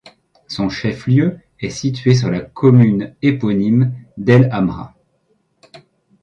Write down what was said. Son chef-lieu est situé sur la commune éponyme d'El Amra.